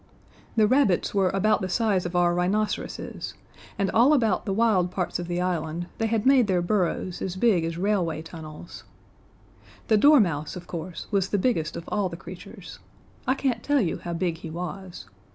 The rabbits were about the size of our rhinoceroses, and all about the wild parts of the island they had made their burrows as big as railway tunnels. The dormouse, of course, was the biggest of all the creatures. I can't tell you how big he was.